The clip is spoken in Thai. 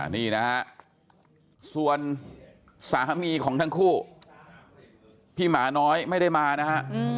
นี่นะฮะส่วนสามีของทั้งคู่พี่หมาน้อยไม่ได้มานะฮะ